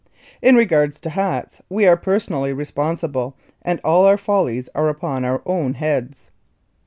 In regard to hats we are personally responsible and our follies are upon our own heads.